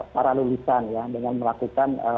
para lulusan dengan melakukan